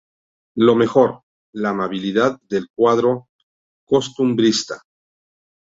Lo mejor: la amabilidad del cuadro costumbrista"